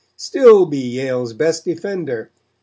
Still be Yale's best defender!